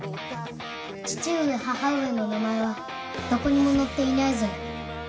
父上母上の名前はどこにも載っていないぞよ。